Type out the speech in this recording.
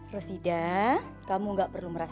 bang h santa gak temperature off